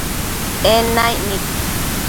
En naic nid